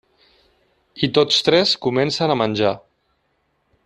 I tots tres comencen a menjar.